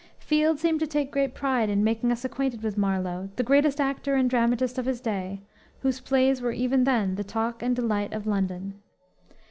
Field seemed to take great pride in making us acquainted with Marlowe, the greatest actor and dramatist of his day, whose plays were even then the talk and delight of London.